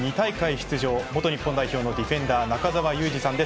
出場元日本代表のディフェンダー中澤佑二さんです。